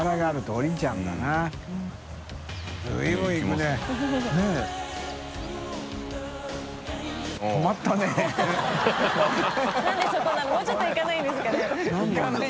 もうちょっと行かないんですかね？